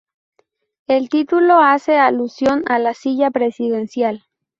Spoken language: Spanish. El título hace alusión a la silla presidencial.